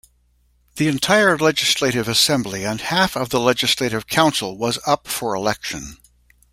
The entire Legislative Assembly and half of the Legislative Council was up for election.